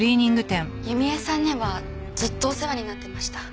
弓江さんにはずっとお世話になってました。